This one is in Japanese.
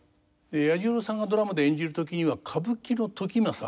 彌十郎さんがドラマで演じる時には歌舞伎の時政